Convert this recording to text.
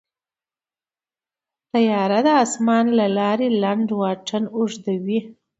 طیاره د اسمان له لارې لنډ واټن اوږدوي.